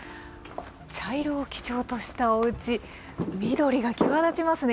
茶色を基調としたおうち緑が際立ちますね。